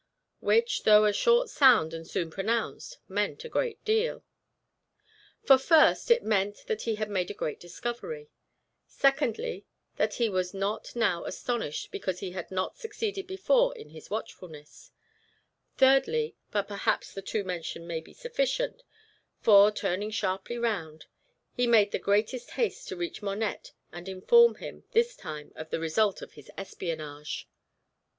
which, though a short sound and soon pronounced, meant a great deal. For first, it meant that he had made a great discovery; secondly, that he was not now astonished because he had not succeeded before in his watchfulness; thirdly but perhaps the two mentioned may be sufficient; for, turning sharply round, he made the greatest haste to reach Monette and inform him, this time, of the result of his espionage.